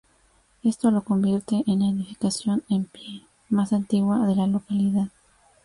Esto la convierte en la edificación en pie más antigua de la localidad.